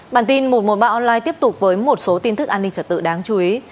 bản tin một trăm một mươi ba online tiếp tục với một số tin tức an ninh trật tự đáng chú ý